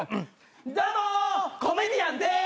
どうもコメディアンです。